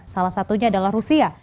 salah satunya adalah rusia